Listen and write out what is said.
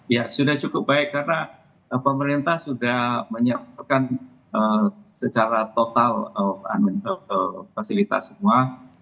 ya sudah cukup baik karena pemerintah sudah menyiapkan secara total fasilitas semua